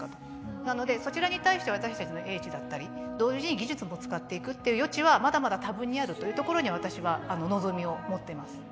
なのでそちらに対して私たちの英知だったり同時に技術も使っていくっていう余地はまだまだ多分にあるというところに私は望みを持ってます。